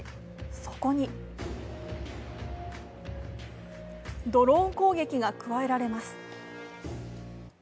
そこにドローン攻撃が加えられます。